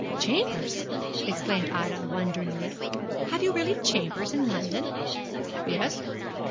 'Chambers!' exclaimed Ida, wonderingly. 'Have you really chambers in London?' 'Yes.'